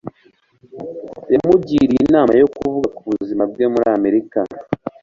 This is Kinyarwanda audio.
yamugiriye inama yo kuvuga ku buzima bwe muri amerika